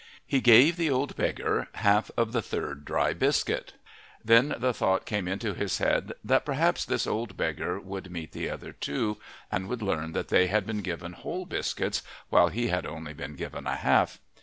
He gave the old beggar half of the third dry biscuit. Then the thought came into his head that perhaps this old beggar would meet the other two, and would learn that they had been given whole biscuits while he had only been given a half.